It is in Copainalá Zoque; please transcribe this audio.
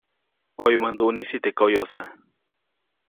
ʼOyumäjt nduʼnisi teʼ koyosa.